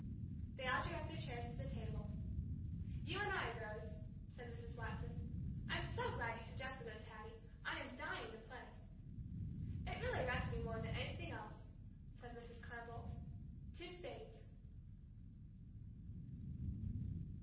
They all drew up their chairs to the table. "You and I, Rose," said Mrs. Watson. "I'm so glad you suggested this, Hattie. I am dying to play." "It really rests me more than anything else," said Mrs. Carr Boldt. "Two spades."